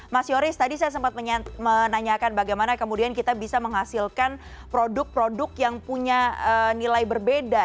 mas yoris tadi saya sempat menanyakan bagaimana kemudian kita bisa menghasilkan produk produk yang punya nilai berbeda